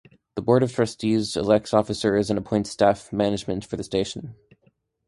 The Board of Trustees elects officers and appoints staff and management for the station.